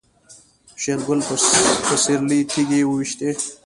شېرګل په سيرلي تيږې وويشتې.